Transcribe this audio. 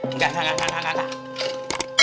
enggak enggak enggak